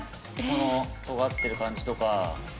この尖ってる感じとか。